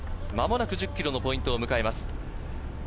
間もなく１０ｋｍのポイントを迎えます。